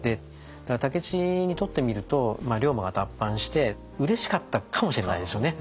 武市にとってみると龍馬が脱藩してうれしかったかもしれないですよね。